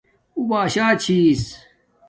اُو باشاچھس